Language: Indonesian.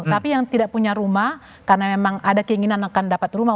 tapi yang tidak punya rumah karena memang ada keinginan akan dapat rumah